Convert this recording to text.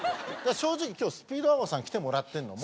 正直今日スピードワゴンさん来てもらってるのも。